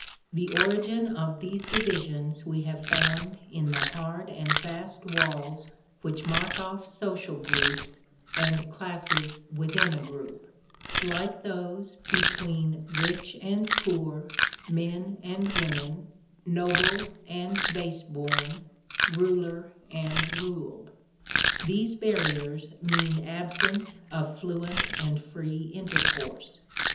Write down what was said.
The origin of these divisions we have found in the hard and fast walls which mark off social groups and classes within a group: like those between rich and poor, men and women, noble and baseborn, ruler and ruled. These barriers mean absence of fluent and free intercourse.